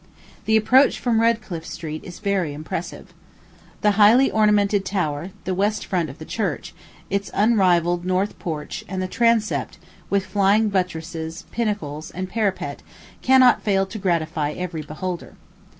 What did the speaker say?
The approach from Redcliffe Street is very impressive. The highly ornamented tower, the west front of the church, its unrivalled north porch, and the transept, with flying buttresses, pinnacles, and parapet, cannot fail to gratify every beholder.